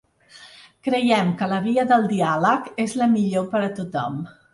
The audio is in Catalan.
Creiem que la via del diàleg és la millor per a tothom.